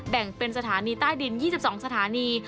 แบ่งเป็นสถานีใต้ดิน๒๒สถานี